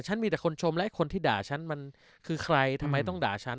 มีแต่คนชมและคนที่ด่าฉันมันคือใครทำไมต้องด่าฉัน